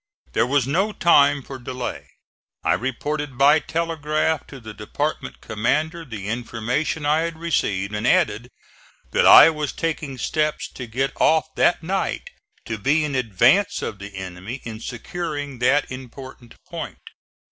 There was no time for delay; I reported by telegraph to the department commander the information I had received, and added that I was taking steps to get off that night to be in advance of the enemy in securing that important point.